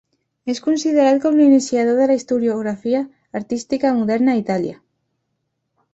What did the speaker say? És considerat com l'iniciador de la historiografia artística moderna a Itàlia.